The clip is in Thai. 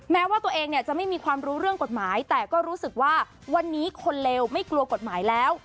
แม้ว่าตัวเองเนี่ยจะไม่มีความรู้เรื่องกฎหมายแต่ก็รู้สึกว่าวันนี้คนเลวไม่กลัวกฎหมายแล้ว